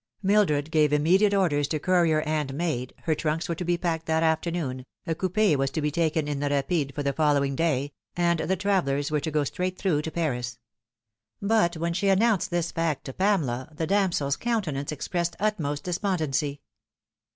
Mildred gave immediate orders to courier and maid, her trunks were to be packed that afternoon, a coupe was to be taken in the Rapide for the following day, and the travellers were to go straight through to Paris. But when she announced this fact to Pamela the damsel's countenance expressed utmost despond ency.